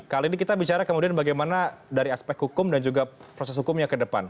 kali ini kita bicara kemudian bagaimana dari aspek hukum dan juga proses hukumnya ke depan